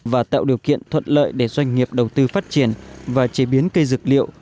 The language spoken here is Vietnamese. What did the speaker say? và tạo điều kiện thuận lợi để doanh nghiệp đầu tư phát triển và chế biến cây dược liệu